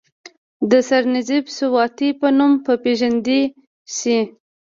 د سرنزېب سواتي پۀ نوم پ ېژندے شي،